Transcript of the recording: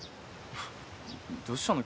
どうしたの？